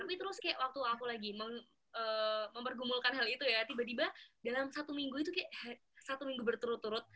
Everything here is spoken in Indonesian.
tapi terus kayak waktu aku lagi mempergumulkan hal itu ya tiba tiba dalam satu minggu itu kayak satu minggu berturut turut